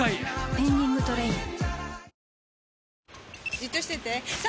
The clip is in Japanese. じっとしてて３！